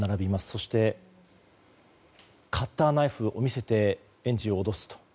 そしてカッターナイフを見せて園児を脅すと。